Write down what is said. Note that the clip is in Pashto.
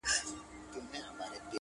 پر هر ځای چي ټولۍ وینی د پوهانو-